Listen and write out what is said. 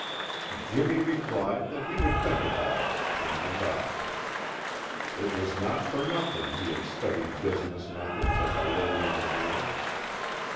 Jimmy replied that he would think about it and went off. It was not for nothing he had studied business methods at the Leyland mill.